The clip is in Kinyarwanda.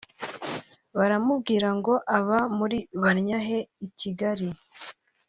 barambwira ngo aba muri Bannyahe i Kigali